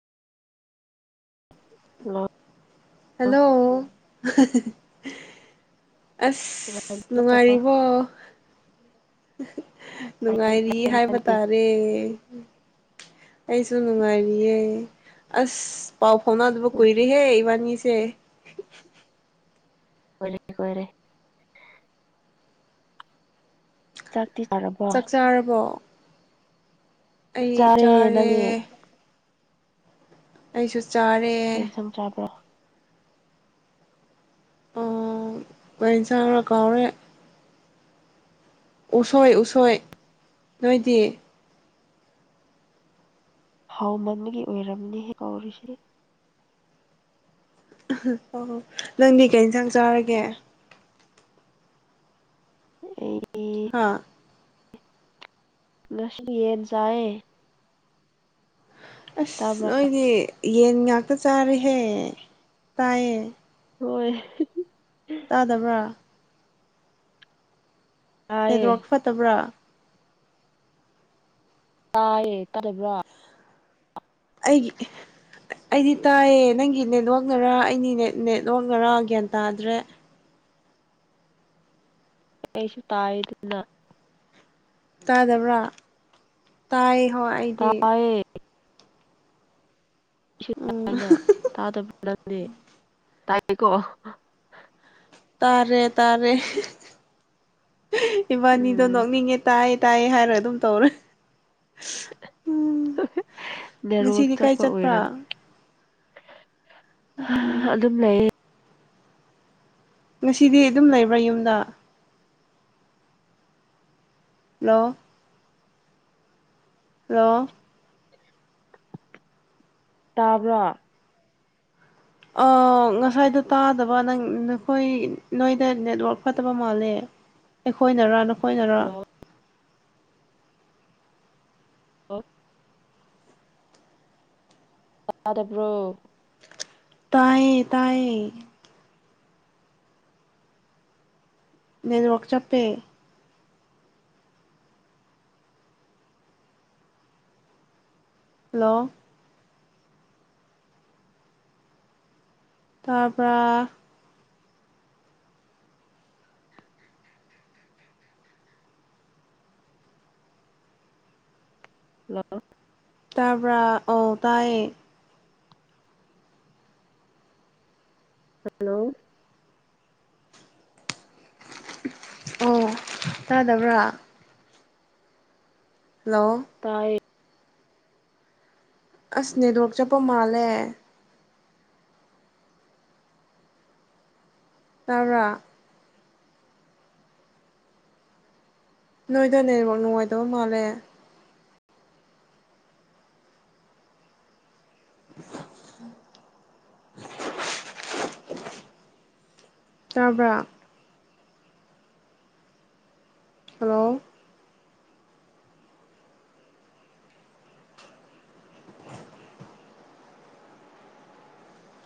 ꯂꯛ hello [unintelligible] ꯑꯁ ꯅꯨꯡꯉꯥꯏꯔꯤꯕꯣ ꯅꯨꯡꯉꯥꯏꯔꯤ ꯍꯥꯏꯕ ꯇꯥꯔꯦ ꯑꯩꯁꯨ ꯅꯨꯡꯉꯥꯏꯔꯤꯌꯦ ꯑꯁ ꯄꯥꯎ ꯐꯥꯎꯅꯗꯕ ꯀꯨꯏꯔꯦꯍꯦ ꯏꯕꯥꯅꯤꯁꯦ ꯀꯨꯢꯔꯦ ꯀꯨꯏꯔꯦ ꯆꯥꯛꯇꯤ ꯆꯥꯔꯕꯣ ꯆꯥꯛ ꯆꯥꯔꯕꯣ ꯆꯥꯔꯦ ꯅꯪꯗꯤ ꯑꯩꯁꯨ ꯆꯥꯔꯦ ꯀꯩ ꯏꯟꯁꯥꯡ ꯆꯥꯕ꯭ꯔꯣ ꯑꯥ ꯀꯔꯤ ꯑꯦꯟꯁꯥꯡꯔ ꯀꯥꯎꯔꯦ ꯎꯁꯣꯏ ꯎꯁꯣꯏ ꯅꯣꯏꯗꯤ ꯍꯥꯎꯃꯟꯕꯒꯤ ꯑꯣꯏꯔꯝꯅꯤ ꯀꯥꯎꯔꯤꯁꯤ ꯑꯣ ꯅꯪꯗꯤ ꯀꯩ ꯏꯟꯁꯥꯡ ꯆꯥꯔꯒꯦ ꯑꯩꯗꯤ ꯍꯥꯥ ꯉꯁꯤ ꯌꯦꯟ ꯆꯥꯏꯌꯦ ꯇꯥꯕ꯭ꯔꯥ ꯑꯩꯗꯤ ꯌꯦꯟ ꯉꯥꯛꯇ ꯆꯥꯔꯦꯍꯦ ꯇꯥꯏꯌꯦ ꯍꯣꯏ ꯇꯥꯗꯕ꯭ꯔꯥ ꯇꯥꯏꯌꯦ ꯅꯦꯠꯋ꯭ꯔꯛ ꯐꯠꯇꯕ꯭ꯔꯥ ꯇꯥꯏꯌꯦ ꯇꯥꯗꯕ꯭ꯔꯣ ꯑꯩꯒꯤ ꯑꯩꯗꯤ ꯇꯥꯏꯌꯦ ꯅꯪꯒꯤ ꯅꯦꯠꯋꯥꯛꯅꯔꯥ ꯑꯩꯒꯤ ꯅꯦꯠꯋꯥꯛ ꯅꯔꯥ ꯒ꯭ꯌꯥꯟ ꯇꯥꯗ꯭ꯔꯦ ꯀꯁꯤ ꯇꯥꯥꯏꯅ ꯇꯥꯗꯕ꯭ꯔꯥ ꯇꯥꯏꯍꯣ ꯑꯩꯗꯤ ꯍ ꯎꯝ ꯅ ꯇꯥꯗꯕꯥ ꯅꯪꯅꯦ ꯇꯥꯏꯌꯦꯀꯣ ꯇꯥꯔꯦ ꯇꯥꯔꯦ ꯏꯕꯥꯅꯤꯗꯣ ꯎꯝ ꯅꯣꯛꯅꯤꯡꯉꯦ ꯇꯥꯏ ꯇꯥꯏ ꯍꯥꯏꯔ ꯑꯗꯨꯝ ꯇꯧꯔꯦ ꯎꯝ ꯅꯦꯠꯋꯥꯛ ꯉꯁꯤꯗꯤ ꯀꯥꯏ ꯆꯠꯄ ꯆꯠꯄ꯭ꯔꯥ ꯑꯣꯏꯔꯝꯅꯤ ꯍ ꯎꯝ ꯑꯗꯨꯝ ꯂꯩꯌꯦ ꯉꯁꯤꯗꯤ ꯑꯗꯨꯝ ꯂꯩꯕ꯭ꯔꯥ ꯌꯨꯝꯗ ꯍꯂꯣ ꯍꯂꯣ ꯇꯥꯕ꯭ꯔꯥ ꯑ ꯉꯁꯥꯏꯗꯣ ꯇꯥꯗꯕ ꯅꯪ ꯅꯈꯣꯏ ꯅꯣꯏꯗ ꯅꯦꯠꯋꯥꯛ ꯐꯠꯇꯕ ꯃꯥꯜꯂꯦ ꯑꯩꯈꯣꯏꯅꯔ ꯅꯈꯣꯏꯅꯔ ꯍꯜꯂꯣ ꯑꯣ ꯇꯗꯕ꯭ꯔꯣ ꯇꯥꯏꯌꯦ ꯇꯥꯌꯦ ꯅꯦꯠꯋꯥꯛ ꯆꯞꯄꯦ ꯍꯂꯣ ꯇꯥꯄ꯭ꯔꯥ ꯂꯣ ꯇꯥꯕ꯭ꯔꯥ ꯑꯧ ꯇꯥꯏ ꯍꯜꯂꯣ ꯑꯣ ꯇꯥꯗꯕ꯭ꯔꯥ ꯍꯜꯂꯣ ꯇꯥꯌꯦꯠ ꯑꯁ ꯅꯦꯠꯋꯛ ꯆꯠꯄ ꯃꯥꯜꯂꯦ ꯇꯥꯕ꯭ꯔꯥ ꯅꯣꯏꯗ ꯅꯦꯠꯋꯛ ꯅꯨꯡꯉꯥꯏꯇꯕ ꯃꯥꯜꯂꯦ ꯇꯥꯕ꯭ꯔꯥ ꯍꯜꯂꯣ